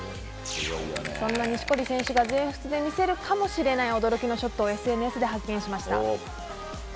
そんな錦織選手が全仏で見せるかもしれない驚きのショットをＳＮＳで発見しました。